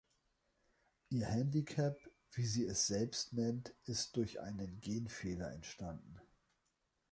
Ihr Handicap, wie sie es selbst nennt, ist durch einen Gen-Fehler entstanden.